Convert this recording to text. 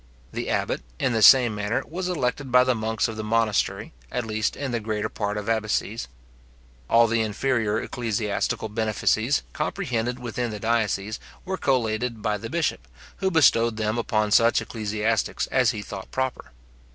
The abbot, in the same manner, was elected by the monks of the monastery, at least in the greater part of abbacies. All the inferior ecclesiastical benefices comprehended within the diocese were collated by the bishop, who bestowed them upon such ecclesiastics as he thought proper.